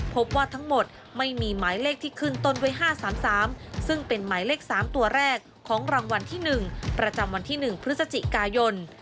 พบว่าทั้งหมดไม่มีหมายเลขที่ขึ้นต้นไว้๕๓๓ซึ่งเป็นหมายเลข๓ตัวแรกของรางวัลที่๑ประจำวันที่๑พฤศจิกายน